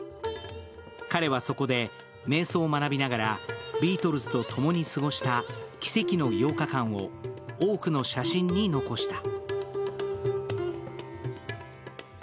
彼はそこで瞑想を学びながらビートルズと共に過ごした奇跡の８日間を多くの写真に残した。